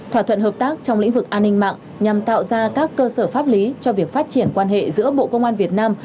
thỏa thuận hợp tác trong lĩnh vực an ninh mạng nhằm tạo ra các cơ sở pháp lý cho việc phát triển quan hệ giữa bộ công an việt nam